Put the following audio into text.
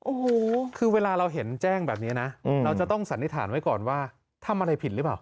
โอ้โหคือเวลาเราเห็นแจ้งแบบนี้นะเราจะต้องสันนิษฐานไว้ก่อนว่าทำอะไรผิดหรือเปล่า